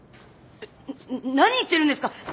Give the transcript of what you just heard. な何言ってるんですか！